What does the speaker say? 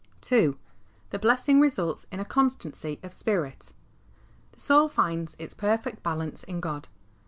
II. The blessing results m a constancy of spirit. The soul finds its perfect balance in God.